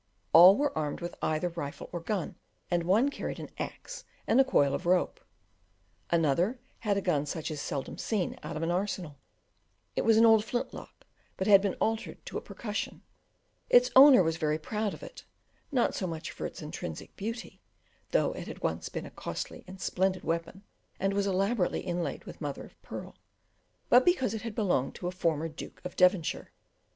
All were armed with either rifle or gun, and one carried an axe and a coil of rope; another had a gun such as is seldom seen out of an arsenal; it was an old flint lock, but had been altered to a percussion; its owner was very proud of it, not so much for its intrinsic beauty, though it once had been a costly and splendid weapon and was elaborately inlaid with mother of pearl, but because it had belonged to a former Duke of Devonshire.